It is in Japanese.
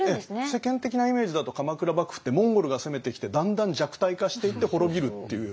世間的なイメージだと鎌倉幕府ってモンゴルが攻めてきてだんだん弱体化していって滅びるっていう。